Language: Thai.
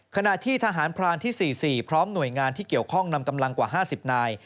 ขณะที่ทหารพรานที่๔๔พร้อมหน่วยงานที่เกี่ยวข้องนำกำลังกว่า๕๐นาย